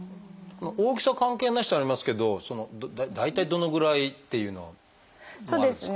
「大きさ関係なし」とありますけど大体どのぐらいっていうのはあるんですか？